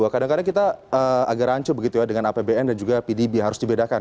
kadang kadang kita agak rancu begitu ya dengan apbn dan juga pdb harus dibedakan